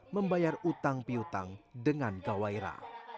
membayar utang piutang dengan gawai ra